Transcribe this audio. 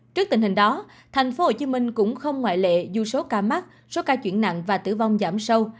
trước tình hình đó tp hcm cũng không ngoại lệ dù số ca mắc số ca chuyển nặng và tử vong giảm sâu